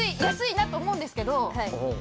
安いなと思うんですけど。